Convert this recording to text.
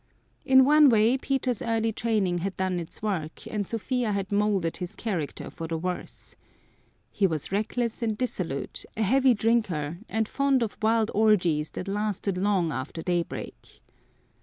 In one way Peter's early training had done its work and Sophia had molded his character for the worse. He was reckless and dissolute, a heavy drinker and fond of wild orgies that lasted long after daybreak.